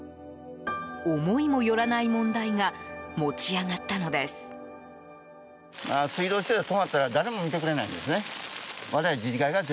思いもよらない問題が持ち上がったのです。